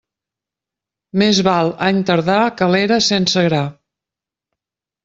Més val any tardà que l'era sense gra.